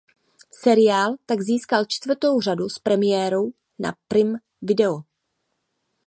Seriál tak získal čtvrtou řadu s premiérou na Prime Video.